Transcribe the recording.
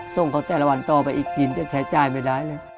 ส่งเขาแต่ละวันต่อไปอีกกินจะใช้จ่ายไม่ได้เลย